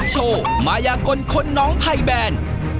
จิกโชว์ไหมยากลคนน้องไทยแบน